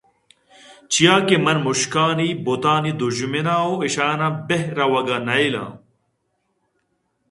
چیاکہ من مُشکانی بُتانی دژمناں ءُ ایشاں بِہ رَوَگ ءَ نئیلاں